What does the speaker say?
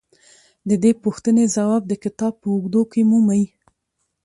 د دې پوښتنې ځواب د کتاب په اوږدو کې مومئ.